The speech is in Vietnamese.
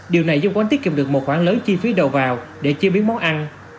điều này giúp quán tiết kiệm được một khoảng lớn chi phí đầu vào để chế biến món ăn